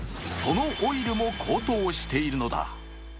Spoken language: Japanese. そのオイルも高騰しているのだ。